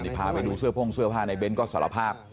ก่อนที่พาไปดูเสื้อโภงเสื้อผ้าในเบนส์ก็สารภาพ